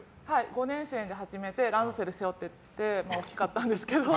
５年生で始めてランドセルを背負ってて大きかったんですけど。